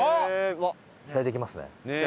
期待できますね。